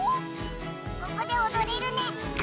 ここでおどれるね。